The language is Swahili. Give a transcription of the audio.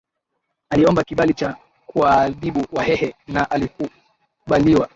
Aliomba kibali cha kuwaadhibu Wahehe na alikubaliwa